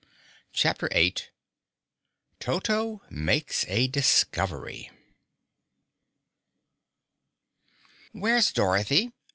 CHAPTER 8 Toto Makes a Discovery "Where's Dorothy?"